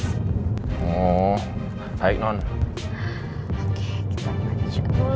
karena my prince ada disana dan aku ga mau kehilangan my prince